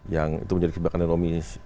yang itu menjadi kebijakan ekonomi